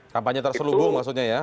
kampanye terselubung maksudnya ya